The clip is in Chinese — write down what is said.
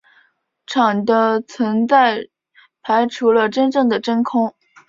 场的存在排除了真正的真空。